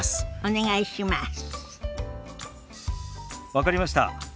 分かりました。